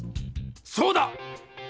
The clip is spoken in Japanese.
そうだ！